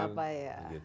kebutuhannya apa ya